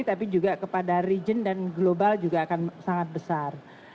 tapi juga kepada region dan global juga akan sangat besar